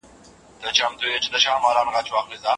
فشارونه به تا یو ښه مدیر کړي.